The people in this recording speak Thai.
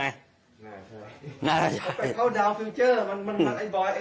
แล้วเขาบ้านเพื่อนผิดอ่ะ